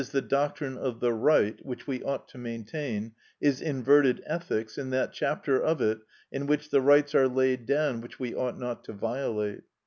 _, the doctrine of the right, which we ought to maintain, is inverted ethics in that chapter of it in which the rights are laid down which we ought not to violate.